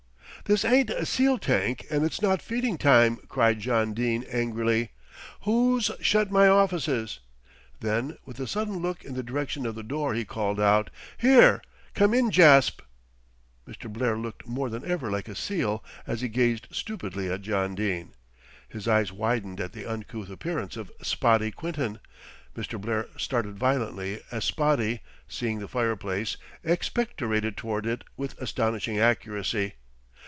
"This ain't a seal tank and it's not feeding time," cried John Dene angrily. "Who's shut my offices?" Then with a sudden look in the direction of the door he called out, "Here, come in, Jasp." Mr. Blair looked more than ever like a seal as he gazed stupidly at John Dene. His eyes widened at the uncouth appearance of "Spotty" Quinton. Mr. Blair started violently as Spotty, seeing the fireplace, expectorated towards it with astonishing accuracy.